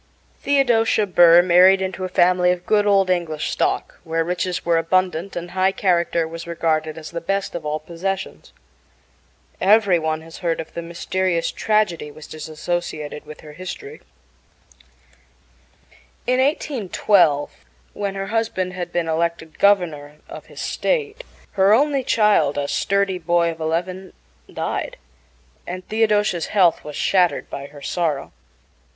Theodosia Burr married into a family of good old English stock, where riches were abundant, and high character was regarded as the best of all possessions. Every one has heard of the mysterious tragedy which is associated with her history. In 1812, when her husband had been elected Governor of his state, her only child a sturdy boy of eleven died, and Theodosia's health was shattered by her sorrow.